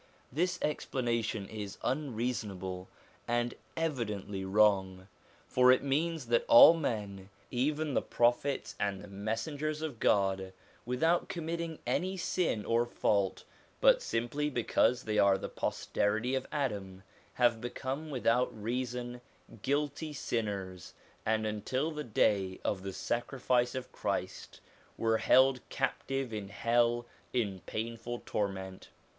This explanation is unreasonable and evidently wrong; for it means that all men, even the Prophets and the SOME CHRISTIAN SUBJECTS 137 Messengers of God, without committing any sin or fault, but simply because they are the posterity of Adam, have become without reason guilty sinners, and until the day of the sacrifice of Christ were held captive in hell in painful torment.